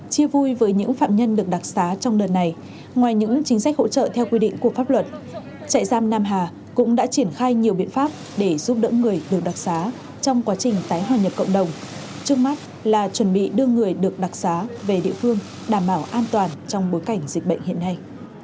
chia vui với những phạm nhân được đặc xá trong đợt này ngoài những chính sách hỗ trợ theo quy định của pháp luật trại giam nam hà cũng đã triển khai nhiều biện pháp để giúp đỡ người được đặc xá trong quá trình tái hòa nhập cộng đồng trước mắt là chuẩn bị đưa người được đặc xá về địa phương đảm bảo an toàn trong bối cảnh dịch bệnh hiện nay